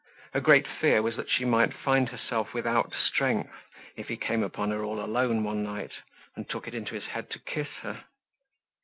Her great fear was that she might find herself without strength, if he came upon her all alone one night and took it into his head to kiss her.